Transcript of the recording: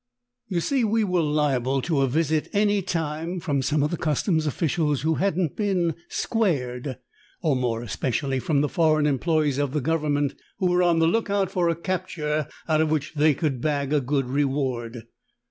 You see we were liable to a visit any time from some of the customs officials who hadn't been 'squared,' or more especially from the foreign employes of the government who were on the lookout for a capture out of which they could bag a good reward.